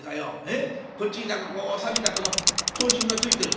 こっちに何かこうさびたこの刀身がついてる」。